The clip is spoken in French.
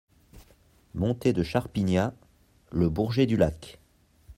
Montée de Charpignat, Le Bourget-du-Lac